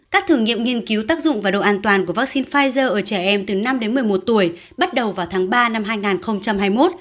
các thử nghiệm nghiên cứu tác dụng và độ an toàn của vaccine pfizer ở trẻ em từ năm đến một mươi một tuổi bắt đầu vào tháng ba năm hai nghìn hai mươi một